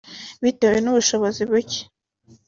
Bitewe n’ubushobozi buke